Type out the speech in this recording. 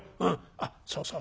あっそうそう